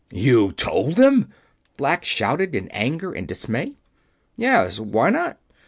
"You told them!" Black shouted, in anger and dismay. "Yes? Why not?"